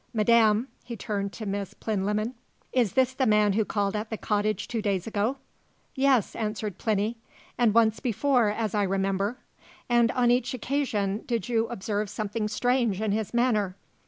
Madam" he turned to Miss Plinlimmon "is this the man who called at the cottage two days ago." "Yes," answered Plinny; "and once before, as I remember." "And on each occasion did you observe something strange in his manner?"